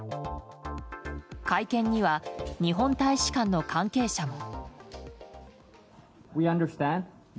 会見には日本大使館の関係者も。